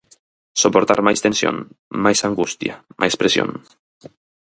Soportar máis tensión, máis angustia, máis presión.